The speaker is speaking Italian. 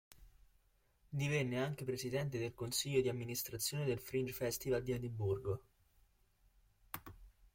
Divenne anche presidente del consiglio di amministrazione del Fringe Festival di Edimburgo.